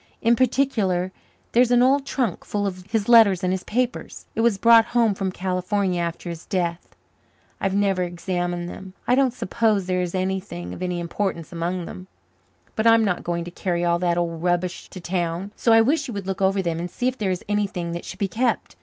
"In particular, there's an old trunk full of his letters and his papers. It was brought home from California after his death. I've never examined them. I don't suppose there is anything of any importance among them. But I'm not going to carry all that old rubbish to town. So I wish you would look over them and see if there is anything that should be kept.